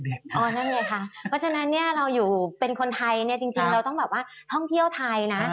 เพราะฉะนั้นเราอยู่เป็นคนไทยเนี่ยจริงเราต้องแบบว่าท่องเที่ยวไทยนะ